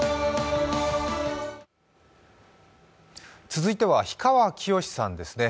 続いては、氷川きよしさんですね。